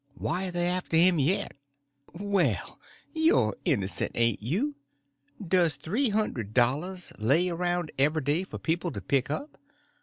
"Why, are they after him yet?" "Well, you're innocent, ain't you! Does three hundred dollars lay around every day for people to pick up?